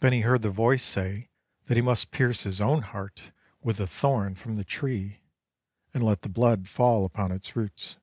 Then he heard the voice say that he must pierce his own heart with a thorn from the tree and let the blood fall upon its roots.